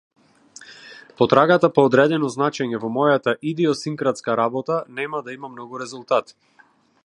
Потрагата по одредено значење во мојата идиосинкратска работа нема да има многу резултат.